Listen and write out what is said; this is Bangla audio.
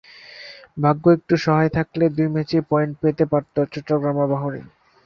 ভাগ্য একটু সহায় থাকলে দুই ম্যাচেই পয়েন্ট পেতে পারত চট্টগ্রাম আবাহনী।